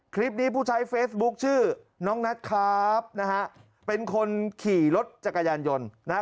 ผู้ใช้เฟซบุ๊คชื่อน้องนัทครับนะฮะเป็นคนขี่รถจักรยานยนต์นะฮะ